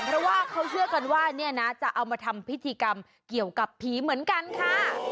เพราะว่าเขาเชื่อกันว่าเนี่ยนะจะเอามาทำพิธีกรรมเกี่ยวกับผีเหมือนกันค่ะ